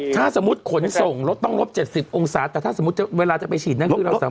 ถ้าสมมุติขนส่งรถต้องลบ๗๐องศาแต่ถ้าสมมุติเวลาจะไปฉีดนั่นคือเรา